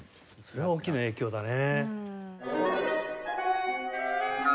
それは大きな影響だね。